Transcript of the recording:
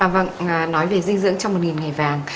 vâng nói về dinh dưỡng trong một ngày vàng